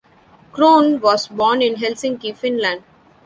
Krohn was born in Helsinki, Finland.